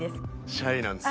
シャイなんです。